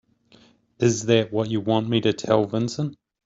Is that what you want me to tell Vincent?